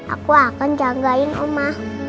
aku akan jagain oma